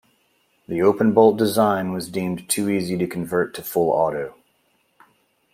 The open-bolt design was deemed too easy to convert to full auto.